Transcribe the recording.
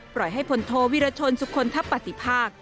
ปล่อยให้พลโทวิรชนสุคลทัพปฏิภาค